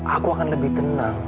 aku akan lebih tenang